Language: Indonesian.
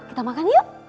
kita makan yuk